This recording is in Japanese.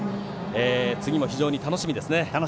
次も非常に楽しみですね。